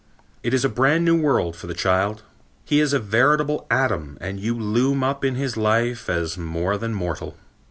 It is a brand new world for the child. He is a veritable Adam and you loom up in his life as more than mortal.